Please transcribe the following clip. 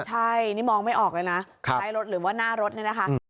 ใช่นี่มองไม่ออกเลยนะท้ายรถหรือว่าหน้ารถนี่นะคะ